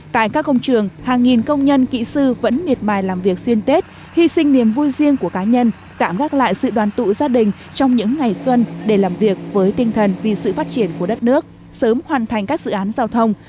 tại các công trường hàng nghìn công nhân kỹ sư vẫn miệt mài làm việc xuyên tết hy sinh niềm vui riêng của cá nhân tạm gác lại sự đoàn tụ gia đình trong những ngày xuân để làm việc với tinh thần vì sự phát triển của đất nước sớm hoàn thành các dự án giao thông